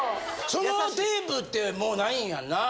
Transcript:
そのテープってもうないんやんなぁ？